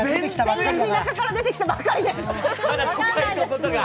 先月、田舎から出てきたばかりなので。